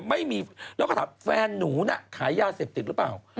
ไม่มีแล้วก็ถามแฟนหนูน่ะขายยาเสพติดหรือเปล่า